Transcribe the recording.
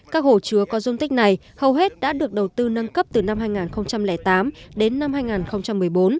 các hồ chứa có dung tích này hầu hết đã được đầu tư nâng cấp từ năm hai nghìn tám đến năm hai nghìn một mươi bốn